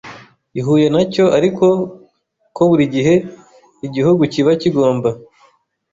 ihuye na cyo, ariko ko buri gihe igihugu kiba kigomba